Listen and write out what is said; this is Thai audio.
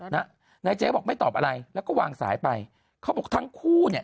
นายเจ๊บอกไม่ตอบอะไรแล้วก็วางสายไปเขาบอกทั้งคู่เนี่ย